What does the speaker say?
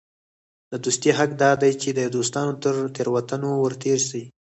د دوستي حق دا دئ، چي د دوستانو تر تېروتنو ور تېر سې.